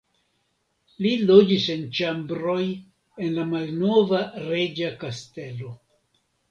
Li loĝis en ĉambroj en la malnova Reĝa Kastelo.